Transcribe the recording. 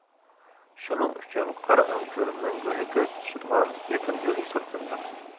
شۇنىڭ ئۈچۈن، قارا ئۆڭكۈر مەڭگۈلۈككە تۇتىشىدىغان يېقىن يول ھېسابلىنىدۇ.